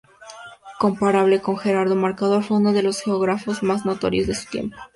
Comparable con Gerardo Mercator, fue uno de los geógrafos más notorios de su tiempo.